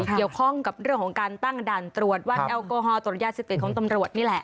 เกี่ยวข้องกับเรื่องของการตั้งด่านตรวจวัดแอลกอฮอลตรวจยาเสพติดของตำรวจนี่แหละ